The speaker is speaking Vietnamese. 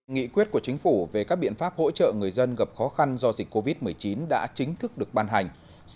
nghị quyết của chính phủ về các biện pháp hỗ trợ người dân gặp khó khăn do dịch covid một mươi chín đã chính thức được ban hành